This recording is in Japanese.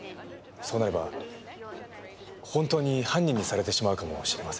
そうなれば本当に犯人にされてしまうかもしれません。